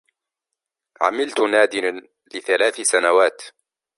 عملت نادلًا لثلاث سنوات.